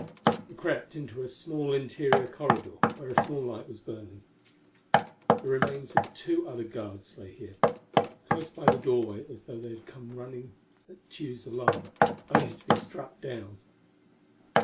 We crept into a small interior corridor where a small light was burning. The remains of two other guards lay here, close by the doorway as though they had come running at Tugh's alarm, only to be struck down.